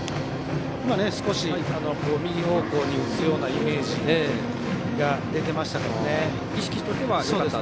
今は少し右方向に打つようなイメージが出ていましたね。